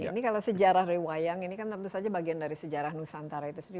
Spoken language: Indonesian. ini kalau sejarah dari wayang ini kan tentu saja bagian dari sejarah nusantara itu sendiri